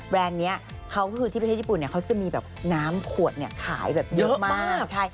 นี้เขาก็คือที่ประเทศญี่ปุ่นเขาจะมีแบบน้ำขวดขายแบบเยอะมาก